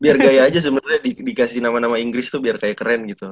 biar gaya aja sebenarnya dikasih nama nama inggris tuh biar kayak keren gitu